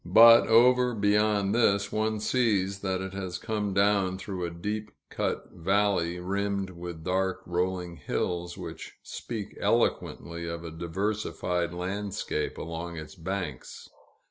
But, over beyond this, one sees that it has come down through a deep cut valley, rimmed with dark, rolling hills, which speak eloquently of a diversified landscape along its banks.